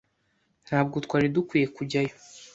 Ntabwo twari dukwiye kujyayo.